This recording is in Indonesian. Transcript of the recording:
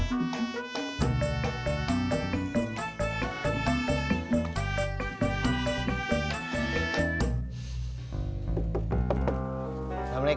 jangan lupa ragah rabah